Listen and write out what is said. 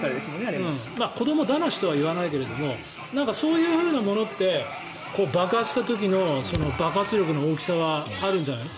子どもだましとは言わないけどそういうふうなものって爆発した時の爆発力の大きさがあるんじゃないの。